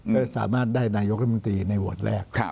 ก็สามารถได้นายกรัฐมนตรีในโหวตแรก